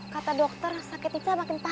kata dokter sakit ica makin parah